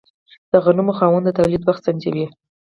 د غنمو خاوند د تولید وخت سنجوي.